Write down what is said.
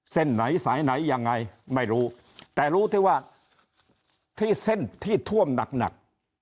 เส้นไหนสายไหนยังไงไม่รู้แต่รู้ที่ว่าที่เส้นที่ท่วมหนัก